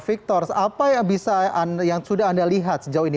victor apa yang bisa anda yang sudah anda lihat sejauh ini